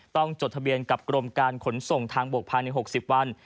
จดทะเบียนกับกรมการขนส่งทางบกภายใน๖๐วัน